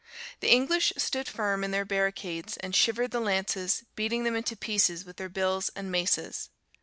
The English stood firm in their barricades, and shivered the lances, beating them into pieces with their bills and maces.